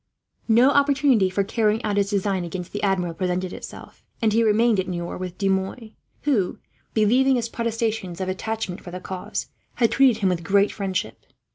No opportunity for carrying out his design against the Admiral presented itself, and he remained at Niort with De Mouy; who, believing his protestations of attachment for the cause, had treated him with great friendship.